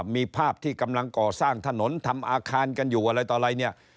มีภาพที่กำลังก่อสร้างถนนทำอาคารกันอยู่อะไรต่ออะไรเนี่ย